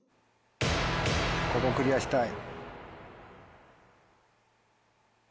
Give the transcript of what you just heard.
ここクリアしたい。